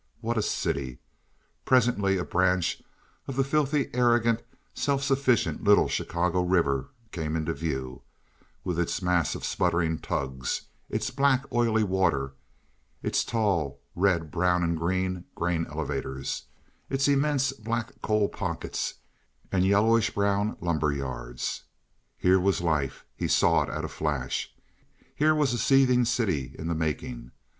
What a city! Presently a branch of the filthy, arrogant, self sufficient little Chicago River came into view, with its mass of sputtering tugs, its black, oily water, its tall, red, brown, and green grain elevators, its immense black coal pockets and yellowish brown lumber yards. Here was life; he saw it at a flash. Here was a seething city in the making.